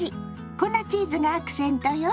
粉チーズがアクセントよ。